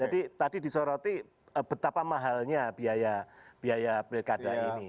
jadi berarti betapa mahalnya biaya pilkara ini